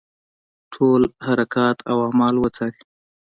ټول حرکات او اعمال وڅاري.